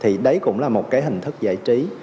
thì đấy cũng là một cái hình thức giải trí